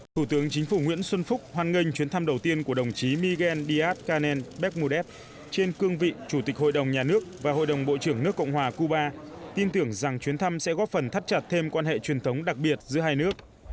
thủ tướng chính phủ nguyễn xuân phúc hoan nghênh chuyến thăm đầu tiên của đồng chí miguel díaz canel becmudev trên cương vị chủ tịch hội đồng nhà nước và hội đồng bộ trưởng nước cộng hòa cuba tin tưởng rằng chuyến thăm sẽ góp phần thắt chặt thêm quan hệ truyền thống đặc biệt giữa hai nước